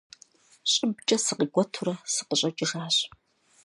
ЩӀыбкӀэ сыкъикӀуэтурэ сыкъыщӀэкӀыжащ.